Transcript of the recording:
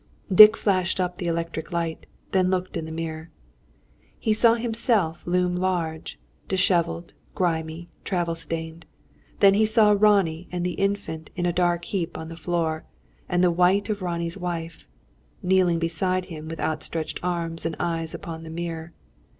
Dick flashed up the electric light; then looked into the mirror. He saw himself loom large, dishevelled, grimy, travel stained. Then he saw Ronnie and the Infant in a dark heap on the floor, and the white face of Ronnie's wife, kneeling beside him with outstretched arm and eyes upon the mirror.